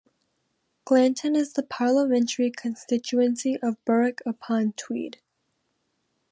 Glanton is in the parliamentary constituency of Berwick-upon-Tweed.